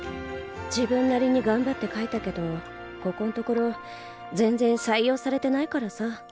自分なりに頑張って描いたけどここんところ全然採用されてないからさ。